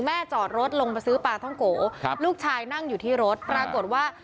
จอดรถลงมาซื้อปลาท่องโกครับลูกชายนั่งอยู่ที่รถปรากฏว่า